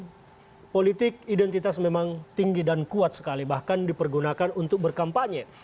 karena politik identitas memang tinggi dan kuat sekali bahkan dipergunakan untuk berkampanye